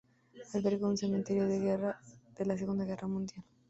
Alberga un cementerio de guerra de la Segunda Guerra Mundial.